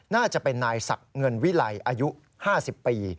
น่าจะเป็นนายศักดิ์เงินวิไลอายุ๕๐ปี